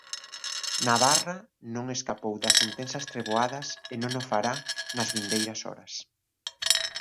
Navarra non escapou das intensas treboadas e non o fará nas vindeiras horas.